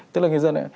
tức là người dân này